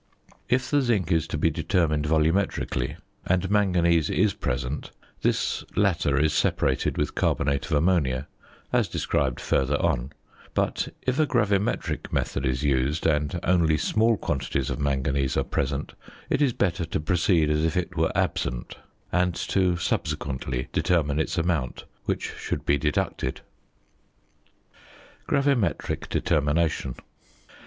If the zinc is to be determined volumetrically, and manganese is present, this latter is separated with carbonate of ammonia, as described further on; but if a gravimetric method is used, and only small quantities of manganese are present, it is better to proceed as if it were absent, and to subsequently determine its amount, which should be deducted. GRAVIMETRIC DETERMINATION.